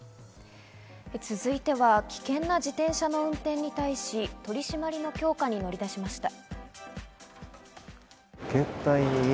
続いては、危険な自転車の運転に対し取り締まりの強化に乗り出しました。